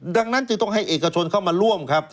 ดังนั้นจึงต้องให้เอกชนเข้ามาร่วมครับ